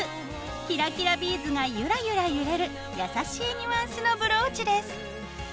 キラキラビーズがゆらゆら揺れる優しいニュアンスのブローチです。